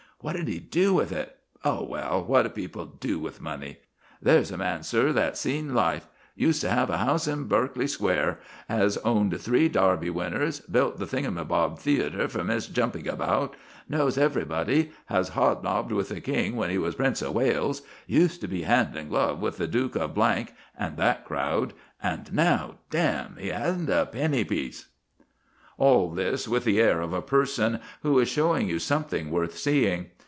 What did he do with it? Oh, well, what do people do with money? There's a man, sir, that's seen life: used to have a house in Berkeley Square; has owned three Derby winners; built the Thingamybob Theatre for Miss Jumpabouty; knows everybody; has hobnobbed with the King when he was Prince of Wales; used to be hand in glove with the Duke of and that crowd; and now, damme! he hasn't a pennypiece." All this with the air of a person who is showing you something worth seeing.